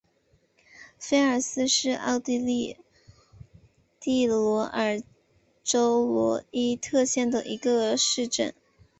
菲尔斯是奥地利蒂罗尔州罗伊特县的一个市镇。